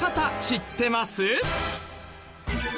知ってます？